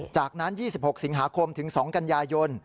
จากนั้น๒๖สิงหาคมถึง๒กันยายน